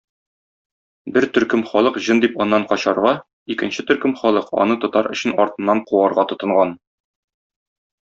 Бер төркем халык җен дип аннан качарга, икенче төркем халык аны тотар өчен артыннан куарга тотынган.